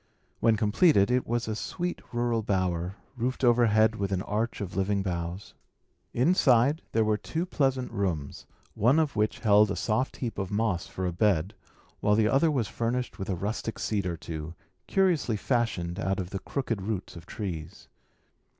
When completed, it was a sweet rural bower, roofed overhead with an arch of living boughs. Inside there were two pleasant rooms, one of which had a soft heap of moss for a bed, while the other was furnished with a rustic seat or two, curiously fashioned out of the crooked roots of trees.